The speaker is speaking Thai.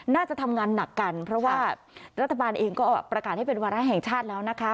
น่าจะทำงานหนักกันเพราะว่ารัฐบาลเองก็ประกาศให้เป็นวาระแห่งชาติแล้วนะคะ